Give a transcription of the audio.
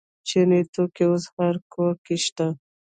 چیني توکي اوس هر کور کې شته.